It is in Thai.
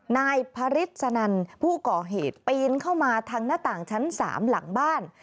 นายพระฤทธสนันผู้ก่อเหตุปีนเข้ามาทางหน้าต่างชั้น๓หลังบ้าน